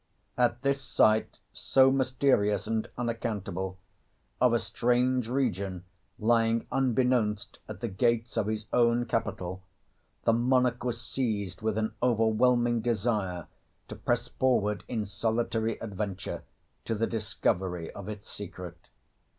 ] At this sight, so mysterious and unaccountable, of a strange region lying unbeknownst at the gates of his own capital, the monarch was seized with an overwhelming desire to press forward in solitary adventure to the discovery of its secret.